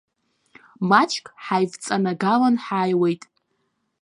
Маҷк ҳаивҵанагалан ҳааиуеит.